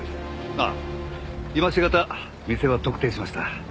あっ今し方店は特定しました。